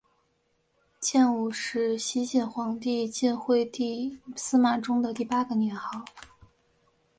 建武是西晋皇帝晋惠帝司马衷的第八个年号。